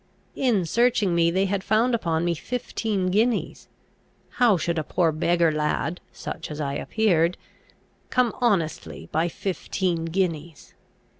In searching me they had found upon me fifteen guineas, how should a poor beggar lad, such as I appeared, come honestly by fifteen guineas?